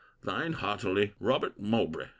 Thine heartily, RD. MOWBRAY.